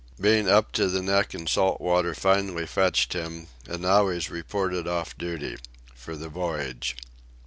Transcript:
Being up to the neck in the salt water finally fetched him, and now he's reported off duty—for the voyage.